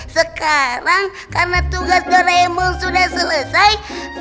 sekarang karena tugas done sudah selesai